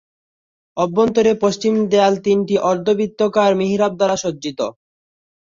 অভ্যন্তরে পশ্চিম দেয়াল তিনটি অর্ধবৃত্তাকার মিহরাব দ্বারা সজ্জিত।